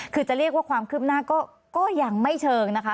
คือจะเรียกว่าความคืบหน้าก็ยังไม่เชิงนะคะ